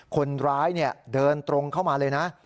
คนร้ายเดินตรงเข้ามาเลยนะ